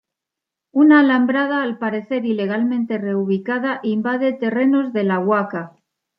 Una alambrada, al parecer ilegalmente reubicada, invade terrenos de la Huaca.